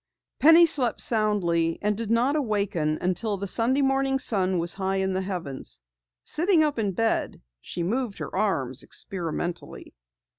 Penny slept soundly and did not awaken until the Sunday morning sun was high in the heavens. Sitting up in bed, she moved her arms experimentally.